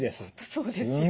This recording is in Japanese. そうですよね。